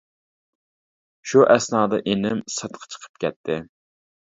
شۇ ئەسنادا ئىنىم سىرتقا چىقىپ كەتتى.